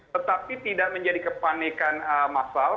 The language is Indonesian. tetapi tidak menjadi kepanikan masal